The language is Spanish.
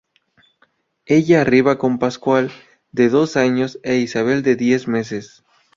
Ella arriba con Pascual, de dos años, e Isabel, de diez meses.